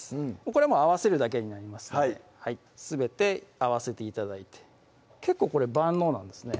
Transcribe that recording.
これもう合わせるだけになりますのですべて合わせて頂いて結構これ万能なんですね